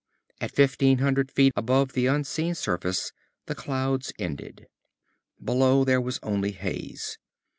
At fifteen hundred feet above the unseen surface, the clouds ended. Below, there was only haze.